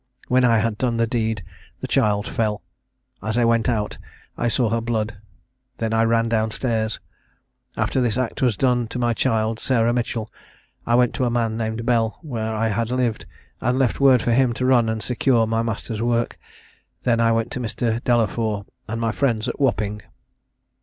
When I had done the deed, the child fell. As I went out, I saw her blood; then I ran down stairs. After this act was done to my child, Sarah Mitchell, I went to a man named Bell, where I had lived, and left word for him to run and secure my master's work; then I went to Mr. Dellafour, and my friends at Wapping."